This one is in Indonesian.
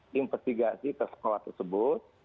tim investigasi ke sekolah tersebut